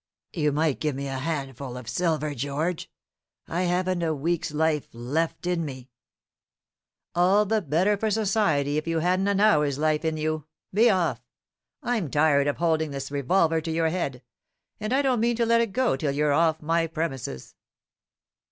"You might give me a handful of silver, George. I haven't a week's life left in me." "All the better for society if you hadn't an hour's life in you. Be off. I'm tired of holding this revolver to your head, and I don't mean to let it go till you're off my premises."